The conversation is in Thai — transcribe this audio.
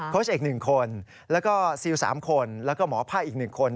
เอก๑คนแล้วก็ซิล๓คนแล้วก็หมอภาคอีก๑คน